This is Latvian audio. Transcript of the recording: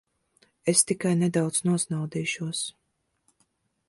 Es tikai nedaudz nosnaudīšos.